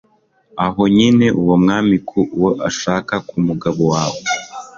aho nyine uwo mwami ku uwo ushaka, ku mugabo wawe